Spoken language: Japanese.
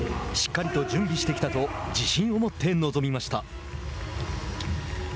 しっかりと準備してきたと自信を持って臨みました。